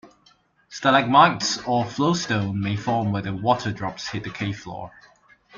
Stalagmites or flowstone may form where the water drops hit the cave floor.